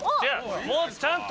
もっとちゃんと。